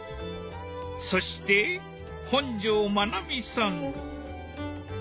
そして本上まなみさん。